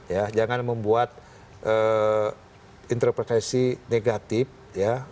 ya jangan membuat interpretasi negatif ya